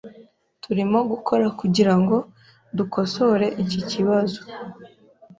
Turimo gukora kugirango dukosore iki kibazo .